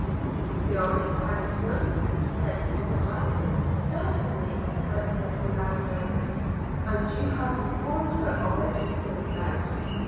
'The girl is handsome?' said Somerive. 'Certainly,' answered Orlando. 'And you have informed her of it, no doubt?'